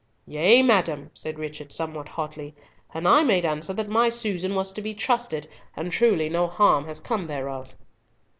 "Yea, madam," said Richard, somewhat hotly, "and I made answer that my Susan was to be trusted, and truly no harm has come thereof."